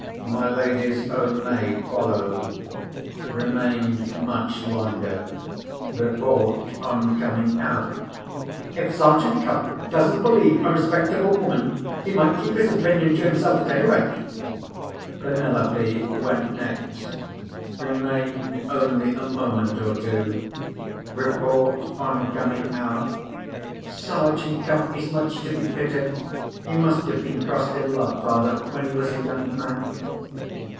My lady's own maid followed. Remained much longer. Report, on coming out: "If Sergeant Cuff doesn't believe a respectable woman, he might keep his opinion to himself, at any rate!" Penelope went next. Remained only a moment or two. Report, on coming out: "Sergeant Cuff is much to be pitied. He must have been crossed in love, father, when he was a young man."